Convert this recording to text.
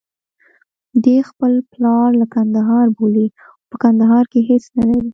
دی خپل پلار له کندهار بولي، خو په کندهار کې هېڅ نلري.